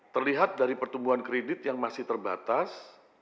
terlihat dari pertumbuhan kredit yang masih terbatas